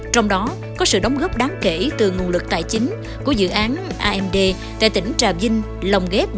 trong đó có sự đóng góp đáng kể từ nguồn lực tài chính của dự án amd tại tỉnh trà vinh lòng ghép